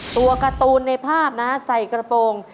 ตัวการ์ตูนในภาพนะฮะใส่กระโปรง